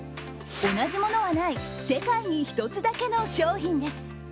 同じものはない世界に一つだけの商品です。